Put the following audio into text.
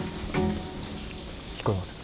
聞こえますか？